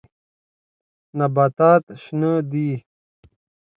نباتات شنه دي.